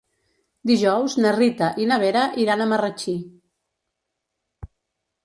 Dijous na Rita i na Vera iran a Marratxí.